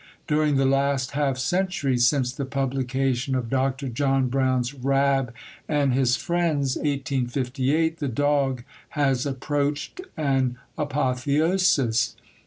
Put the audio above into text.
During the last half century, since the publication of Dr. John Brown's Rab and his Friends (1858), the dog has approached an apotheosis.